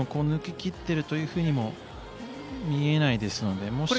抜ききっているというふうにもみえないですよね。